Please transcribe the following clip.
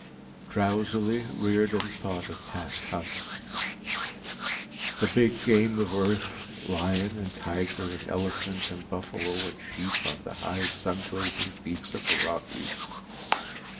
_ Drowsily, Riordan thought of past hunts. The big game of Earth, lion and tiger and elephant and buffalo and sheep on the high sun blazing peaks of the Rockies.